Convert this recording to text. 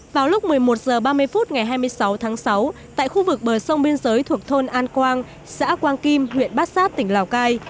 vào lúc một mươi một h ba mươi phút ngày hai mươi sáu tháng sáu tại khu vực bờ sông biên giới thuộc thôn an quang xã quang kim huyện bát sát tỉnh lào cai